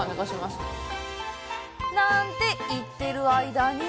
なんて言っている間に。